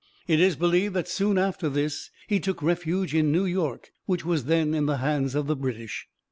It is believed that soon after this he took refuge in New York, which was then in the hands of the British.